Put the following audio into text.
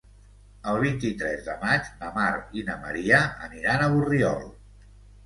El vint-i-tres de maig na Mar i na Maria aniran a Borriol.